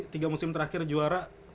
tiga musim terakhir juara